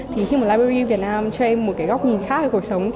thì human library việt nam cho em một cái góc nhìn khác về cuộc sống